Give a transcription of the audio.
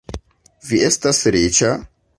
Vi estas riĉa?